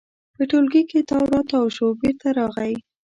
په ټولګي کې تاو راتاو شو، بېرته راغی.